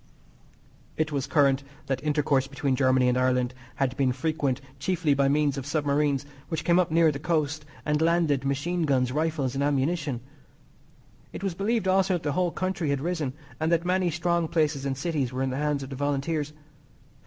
It was current that intercourse between Germany and Ireland had been frequent chiefly by means of submarines, which came up near the coast and landed machine guns, rifles and ammunition. It was believed also that the whole country had risen, and that many strong places and cities were in the hands of the Volunteers.